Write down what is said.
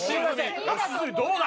どうだ！